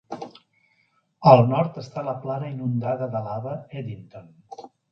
Al nord està la plana inundada de lava Eddington.